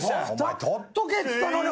取っとけっつったのに。